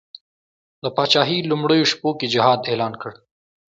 د پاچهي لومړیو شپو کې جهاد اعلان کړ.